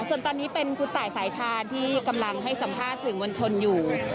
ส่วนตอนนี้เป็นคุณตายสายทานที่กำลังให้สัมภาษณ์สื่อมวลชนอยู่